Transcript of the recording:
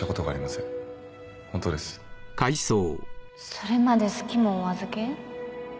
それまで好きもお預け？